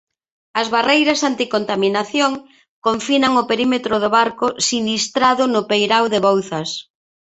As barreiras anticontaminación confinan o perímetro do barco sinistrado no peirao de Bouzas.